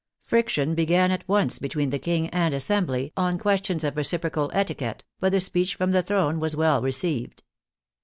Friction began at once between the King and Assembly on questions of reciprocal etiquette, but the speech from the throne was well received.